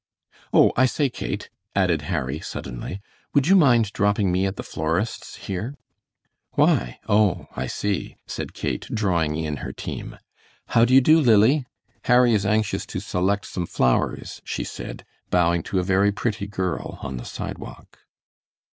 Oh, I say, Kate," added Harry, suddenly, "would you mind dropping me at the florist's here?" "Why? Oh, I see," said Kate, drawing in her team. "How do you do, Lily? Harry is anxious to select some flowers," she said, bowing to a very pretty girl on the sidewalk.